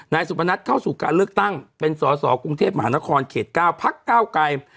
สุพนัทเข้าสู่การเลือกตั้งเป็นสอสอกรุงเทพมหานครเขต๙พักเก้าไกร